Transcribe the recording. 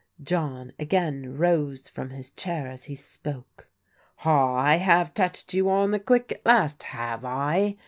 John again rose from his chair as he spoke. "Ah, I have touched you on the quick at last, have I?